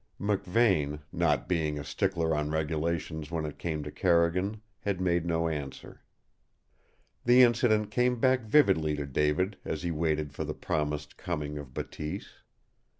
McVane, not being a stickler on regulations when it came to Carrigan, had made no answer. The incident came back vividly to David as he waited for the promised coming of Bateese.